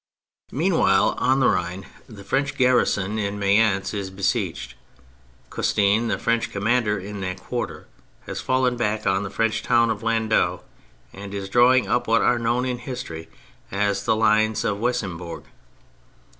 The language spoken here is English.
Meanwhile, on the Rhine the French garrison in Mayence is besieged; Custine, the French commander in that quarter, has fallen back on the French town of Landau, and is drawing up what are known in history as the Lines of Weissembourg.